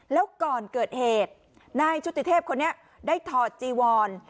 แล้วก่อนเกิดเหตุนายชุติเทพคนนี้ได้ถอดจีวอน